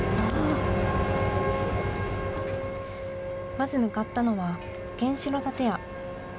まず向かったのは、原子炉建屋。